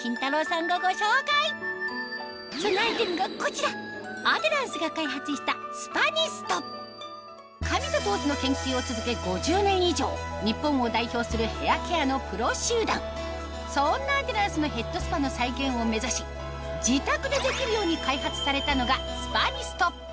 さんがご紹介そのアイテムがこちらアデランスが開発したスパニスト髪と頭皮の研究を続け５０年以上日本を代表するヘアケアのプロ集団そんなアデランスのヘッドスパの再現を目指し自宅でできるように開発されたのがスパニスト